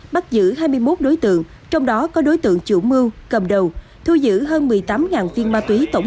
bắt giữ hai mươi một đối tượng trong đó có đối tượng chủ mưu cầm đầu thu giữ hơn một mươi tám viên ma túy tổng